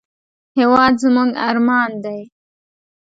هېواد زموږ ارمان دی